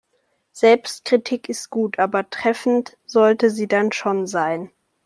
Selbstkritik ist gut, aber treffend sollte sie dann schon sein.